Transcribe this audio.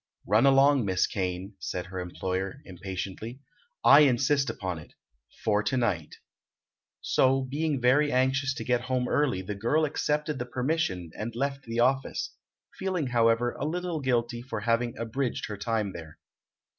"Run along, Miss Kane," said her employer, impatiently; "I insist upon it—for to night." So, being very anxious to get home early, the girl accepted the permission and left the office, feeling however a little guilty for having abridged her time there.